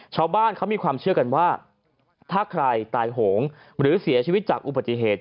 ชาวบ้านเขามีความเชื่อกันว่าถ้าใครตายโหงหรือเสียชีวิตจากอุบัติเหตุ